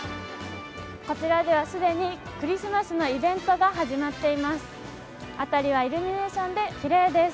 こちらでは既にクリスマスのイベントが始まっています。